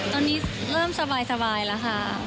ตอนนี้เริ่มสบายแล้วค่ะ